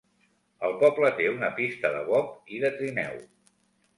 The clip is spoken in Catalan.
El poble té una pista de bob i de trineu.